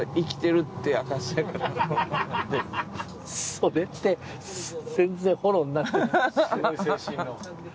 それって全然フォローになってない。